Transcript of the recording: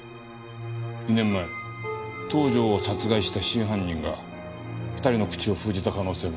２年前東条を殺害した真犯人が２人の口を封じた可能性もあるな。